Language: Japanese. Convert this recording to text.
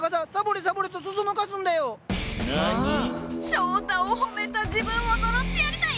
翔太を褒めた自分を呪ってやりたい！